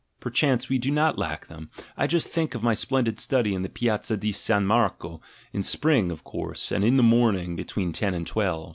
(perchance we do not lack them: I just think of my splendid study in the Piazza di San Marco, in spring, of course, and in the morning, between ten and twelve).